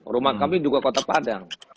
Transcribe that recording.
rumah kami juga kota padang